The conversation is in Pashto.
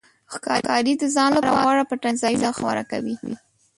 ښکاري د ځان لپاره غوره پټنځایونه غوره کوي.